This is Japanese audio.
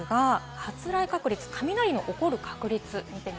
発雷確率、雷の起こる確率です。